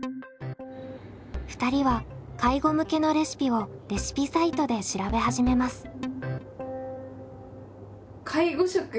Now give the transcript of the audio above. ２人は介護向けのレシピをレシピサイトで調べ始めます。